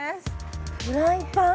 フライパン？